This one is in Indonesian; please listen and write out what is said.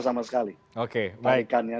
sama sekali tarikannya